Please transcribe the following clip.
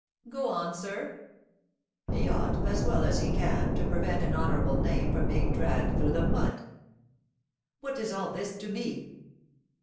"Go on, sir." "He ought, as well as he can, to prevent an honourable name from being dragged through the mud." "What is all this to me?"